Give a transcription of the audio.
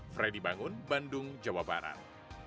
freddy bangun bandung jawa barat